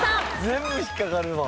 全部引っ掛かるわ。